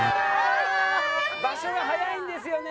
場所が早いんですよね。